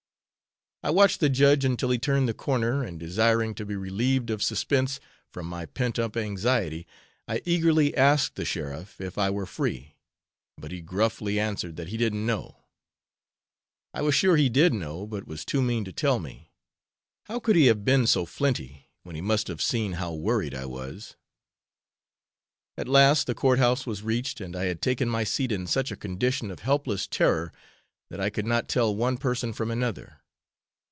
I watched the judge until he turned the corner and desiring to be relieved of suspense from my pent up anxiety, I eagerly asked the sheriff if I were free, but he gruffly answered that "he didn't know." I was sure he did know, but was too mean to tell me. How could he have been so flinty, when he must have seen how worried I was. At last the courthouse was reached and I had taken my seat in such a condition of helpless terror that I could not tell one person from another.